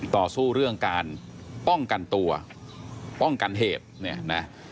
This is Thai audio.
ต่อสู้เรื่องการป้องกันตัวป้องกันเหตุเนี่ยนะ